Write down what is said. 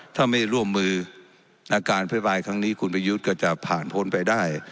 ถ้าไม่ร่วมมือในการอภิปรายครั้งนี้คุณประยุทธ์ก็จะผ่านพ้นไปได้